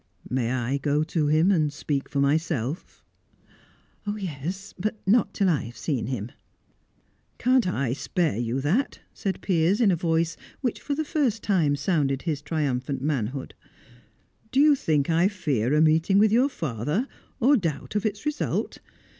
"May I go to him, and speak for myself?" "Yes but not till I have seen him." "Can't I spare you that?" said Piers, in a voice which, for the first time, sounded his triumphant manhood. "Do you think I fear a meeting with your father, or doubt of its result?